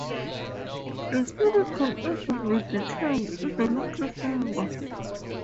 The spirit can even be detained in the little finger.